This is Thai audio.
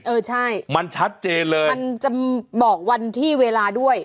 เออใช่มันชัดเจนเลยมันจะบอกวันที่เวลาด้วย